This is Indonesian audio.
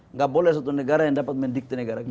nggak boleh satu negara yang dapat mendikti negara kita